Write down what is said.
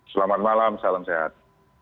selamat malam salam sehat